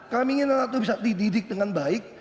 kami ingin anak itu bisa dididik dengan baik